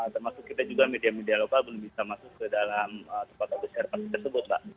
termasuk kita juga media media lokal belum bisa masuk ke dalam kota besar tersebut pak